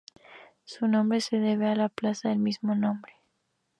Su nombre se debe a la plaza del mismo nombre.